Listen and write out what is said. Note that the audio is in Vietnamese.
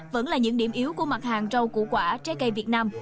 vẫn là những điểm yếu của mặt hàng rau củ quả trái cây việt nam